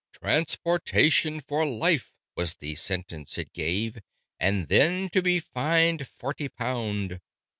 "Transportation for life" was the sentence it gave, "And then to be fined forty pound."